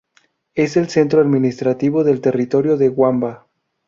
Es el centro administrativo del territorio de Wamba.